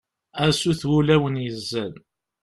a sut n wulawen yezzan